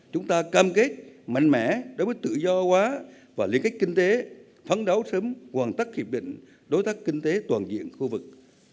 chúng ta cam kết mạnh mẽ đối với tự do hóa và liên kết kinh tế phán đấu sớm hoàn tất hiệp định đối tác kinh tế toàn diện khu vực